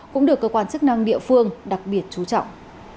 cũng được cơ quan chức năng địa phương đặc biệt chú trọng